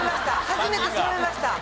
初めてそろいました。